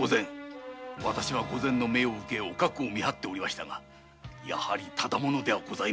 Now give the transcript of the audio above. わたしは御前の命を受けおかくを見張っておりましたがやはりただ者では。